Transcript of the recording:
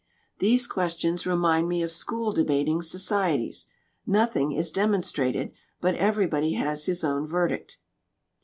These questions remind me of school debating societies. Nothing is demonstrated, but everybody has his own verdict."